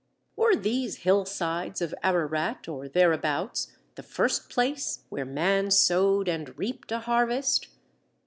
] Were these hillsides of Ararat or thereabouts, the first place where man sowed and reaped a harvest?